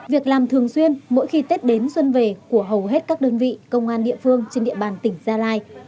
việc làm thường xuyên mỗi khi tết đến xuân về của hầu hết các đơn vị công an địa phương trên địa bàn tỉnh gia lai